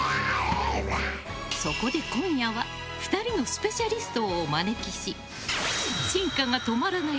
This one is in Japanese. そこで今夜は２人のスペシャリストをお招きし進化が止まらない！